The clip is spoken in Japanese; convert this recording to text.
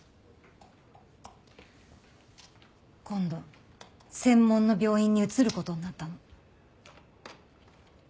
今度専門の病院に移る事になったの。